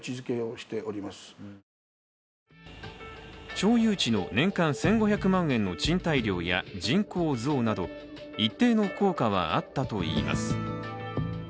町有地の年間１５００万円の賃貸料や、人口増など、一定の効果はあったといいます。